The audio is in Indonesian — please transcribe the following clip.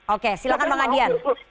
oke silahkan bang adian